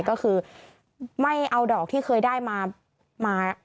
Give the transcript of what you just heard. ก็คือไม่เอาดอกที่เคยได้มา